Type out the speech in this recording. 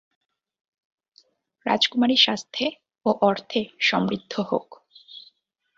রাজকুমারী সাস্থ্যে ও অর্থে সমৃদ্ধ হোক।